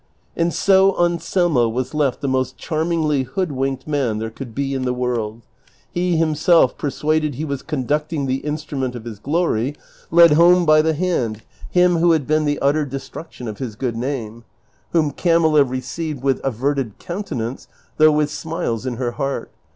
And so Anselmo was left the most charmingly hoodwinked man there could be in the world. He himself, persuaded he was conduct ing the instrument of his glory, led home by the hand him who had been the utter destruction of his good name ; whom Camilla received with averted countenance, though with smiles in her heart.